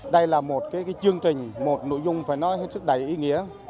đây là một chương trình một nội dung phải nói hết sức đầy ý nghĩa